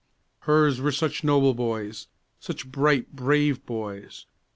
Hers were such noble boys, such bright, brave boys!